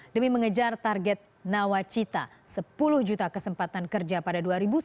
demi mengejar target nawacita sepuluh juta kesempatan kerja pada dua ribu sembilan belas